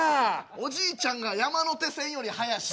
おじいちゃんが山手線より速し。